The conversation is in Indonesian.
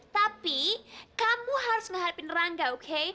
tapi kamu harus menghadapi rangga oke